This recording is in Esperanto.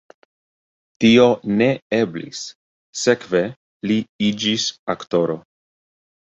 Tio ne eblis, sekve li iĝis aktoro.